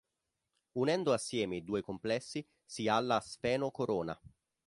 Unendo assieme i due complessi si ha la sfenocorona.